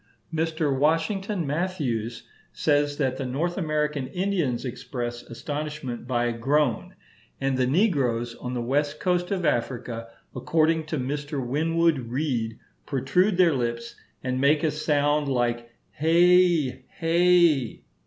Mr. Washington Matthews says that the North American Indians express astonishment by a groan; and the negroes on the West Coast of Africa, according to Mr. Winwood Reade, protrude their lips, and make a sound like heigh, heigh.